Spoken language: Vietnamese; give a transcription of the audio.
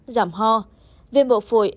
giảm ho viên bộ phổi